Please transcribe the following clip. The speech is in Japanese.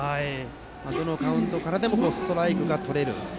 どのカウントからでもストライクがとれる。